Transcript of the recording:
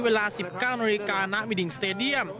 เวลา๑๙นนน่ามิดิ้งสเตดียม